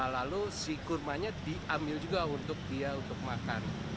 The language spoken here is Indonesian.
lalu si kurmanya diambil juga untuk dia untuk makan